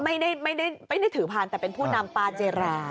ไม่ได้ถือพันธุ์แต่เป็นผู้นำปาเจรา